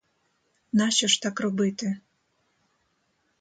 Нащо ж так робити?